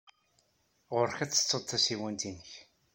Ɣur-k ad tettuḍ tasiwant-nnek.